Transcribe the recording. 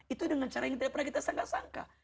itu dengan cara yang tidak pernah kita sangka sangka